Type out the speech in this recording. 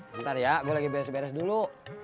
bentar ya gue lagi beres beres dulu